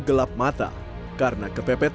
gelap mata karena kepepet